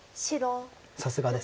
さすがです。